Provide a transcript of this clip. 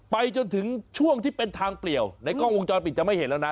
ไปจนถึงช่วงที่เป็นทางเปลี่ยวในกล้องวงจรปิดจะไม่เห็นแล้วนะ